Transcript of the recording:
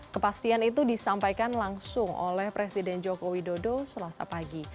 kepastian itu disampaikan langsung oleh presiden joko widodo selasa pagi